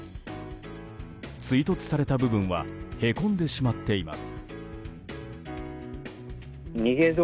追突された部分はへこんでしまっています。